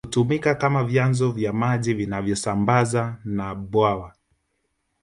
Hutumika kama vyanzo vya maji vinavyosambaza na bwawa